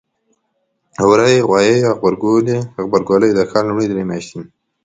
وری ، غوایی او غبرګولی د کال لومړۍ درې میاتشې دي.